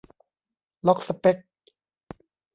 "ล็อกสเป็ค" ?